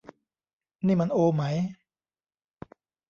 นี่มันโอไหม